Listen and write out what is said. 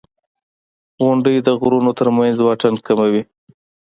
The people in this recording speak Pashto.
• غونډۍ د غرونو تر منځ واټن کموي.